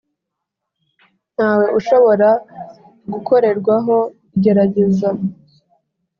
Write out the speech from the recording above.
Ntawe ushobora gukorerwaho igerageza